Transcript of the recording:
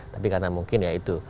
tapi karena mungkin ya itu